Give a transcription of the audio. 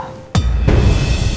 pak irfan papanya bella